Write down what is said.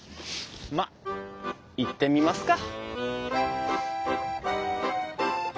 まあ行ってみますか。